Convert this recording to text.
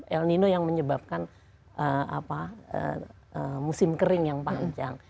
el nino yang menyebabkan musim kering yang panjang